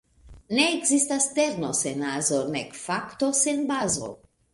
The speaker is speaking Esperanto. Ne ekzistas terno sen nazo nek fakto sen bazo.